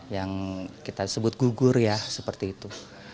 yang kita sebut gugur ya seperti itu